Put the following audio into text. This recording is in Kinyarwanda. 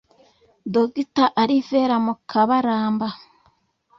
Dr Alivera Mukabaramba